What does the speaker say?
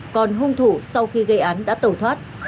còn hung thủ sau khi gây án đã tẩu thoát